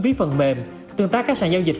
ví phần mềm tương tác các sản giao dịch